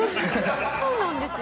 そうなんですよ。